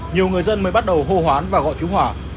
nhiều người dân mới bắt đầu hô hoán và gọi cứu hỏa